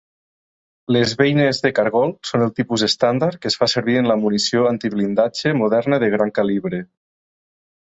Les beines de cargol són el tipus estàndard que es fa servir en la munició antiblindatge moderna de gran calibre.